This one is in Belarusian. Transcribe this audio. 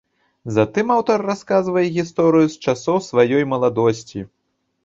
Затым аўтар расказвае гісторыю з часоў сваёй маладосці.